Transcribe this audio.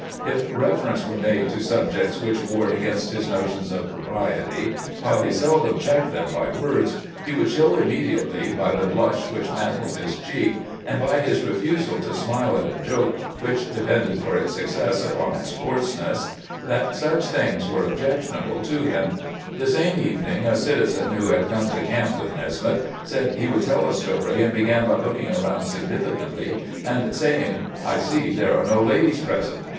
If reference were made to subjects which warred against his, notions of propriety, while he seldom checked them by words, he would show immediately, by the blush which mantled his cheek, and by his refusal to smile at a joke which depended for its success upon its coarse SENATOR NESMITH VISITS GRANT 357 ness, that such things were objectionable to him. The same evening a citizen who had come to camp with Nesmith said he wonld tell a story, and began by look ing around significantly and saying, " I see there are no ladies present."